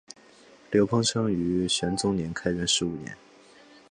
刘怦生于唐玄宗开元十五年。